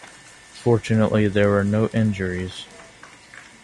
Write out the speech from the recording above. Fortunately, there were no injuries.